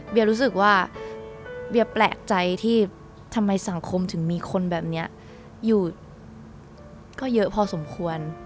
รู้สึกว่าเบียแปลกใจที่ทำไมสังคมถึงมีคนแบบนี้อยู่ก็เยอะพอสมควร